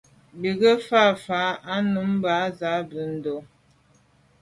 Be ke mfà’ fà’ à num bam s’a be ndô.